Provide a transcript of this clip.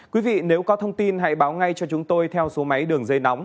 quý vị nếu có thông tin hãy báo ngay cho chúng tôi theo số máy đường dây nóng